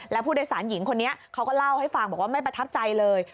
แล้วผู้โดยสารหญิงคนนี้เขาก็เล่าให้ฟังบอกว่าไม่ประทับใจเลย